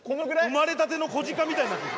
生まれたの子鹿みたいになってる。